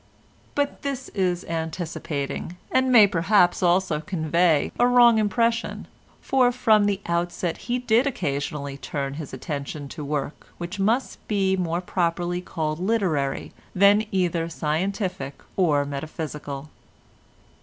But this is anticipating, and may perhaps also convey a wrong impression, for from the outset he did occasionally turn his attention to work which must be more properly called literary than either scientific or metaphysical.